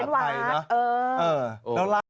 แล้วล่ะ